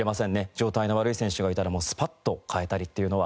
状態の悪い選手がいたらもうスパッと代えたりっていうのは。